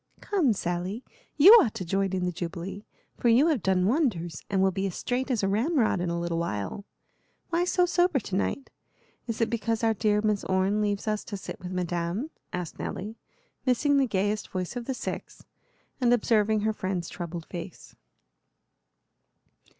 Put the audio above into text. "Come, Sally, you ought to join in the jubilee, for you have done wonders, and will be as straight as a ramrod in a little while. Why so sober to night? Is it because our dear Miss Orne leaves us to sit with Madame?" asked Nelly, missing the gayest voice of the six, and observing her friend's troubled face.